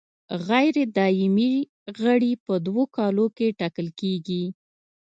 غیر دایمي غړي په دوو کالو کې ټاکل کیږي.